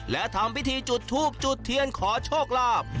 และทำพิธีจุดทูบจุดเทียนขอโชคลาภ